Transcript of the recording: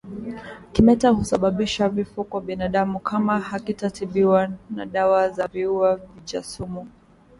Kimeta husababisa vifo kwa binadamu kama hakitatibiwa na dawa za viua vijasumu